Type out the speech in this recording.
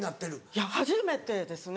いや初めてですね